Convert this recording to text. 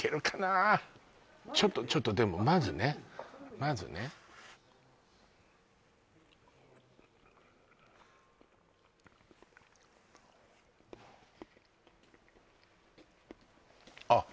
ちょっとちょっとでもまずねまずねあっ